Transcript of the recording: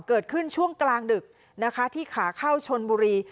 เกิดขึ้นช่วงกลางดึกนะคะที่ขาเข้าชนบุรี